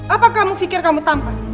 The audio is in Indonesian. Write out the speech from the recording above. apa kamu pikir kamu tampak